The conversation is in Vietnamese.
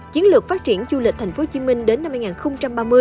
chiến lược phát triển du lịch thành phố hồ chí minh đến năm hai nghìn ba mươi